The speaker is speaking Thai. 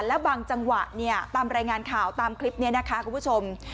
แล้วบางจังหวะเนี่ยตามรายงานข่าวตามคลิปนี้นะคะคุณผู้ชม